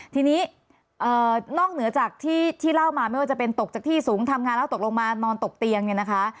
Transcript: ทีนี้นอกเหนือจากที่เล่ามาไม่ว่าจะเป็นตกจากที่สูงทำงานแล้วตกลงมานอนตกเตียงเนี่ยนะคะ